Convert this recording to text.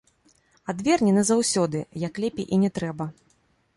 Адверне назаўсёды, як лепей і не трэба.